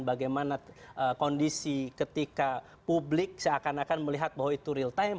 bagaimana kondisi ketika publik seakan akan melihat bahwa itu real time